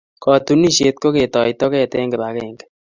Katunisyet ko ketoi togeet eng kibagenge.